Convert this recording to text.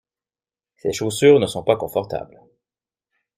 Ces chaussures ne sont pas confortables.